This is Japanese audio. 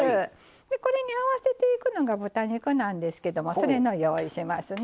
これに合わせていくのが豚肉なんですけどもそれの用意しますね。